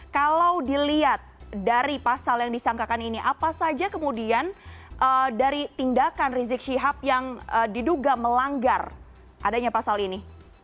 kalau dilihat dari pasal yang disangkakan ini apa saja kemudian dari tindakan rizik syihab yang diduga melanggar adanya pasal ini